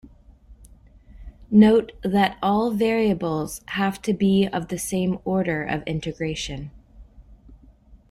Note that all variables have to be of the same order of integration.